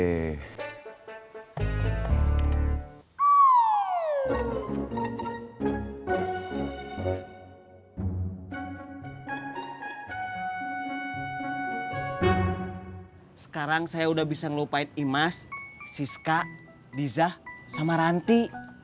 sekarang saya udah bisa ngelupain imas siska diza sama ranti